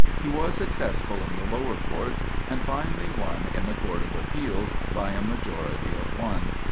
He was successful in the lower courts, and finally won in the Court of Appeals by a majority of one.